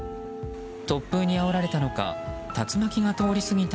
突風にあおられたのか竜巻が通り過ぎた